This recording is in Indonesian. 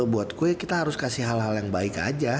buat gue kita harus kasih hal hal yang baik aja